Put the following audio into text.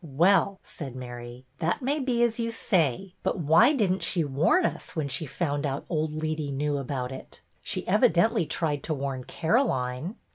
" Well," said Mary, " that may be as you say, but why did n't she warn us when she found old Leetey knew about it.? She evi dently tried to warn Caroline."